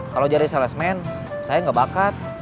kalau jadi salas men saya gak bakat